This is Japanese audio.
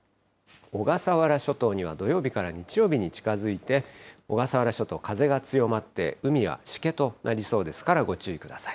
小笠原諸島には土曜日から日曜日に近づいて、小笠原諸島、風が強まって海はしけとなりそうですから、ご注意ください。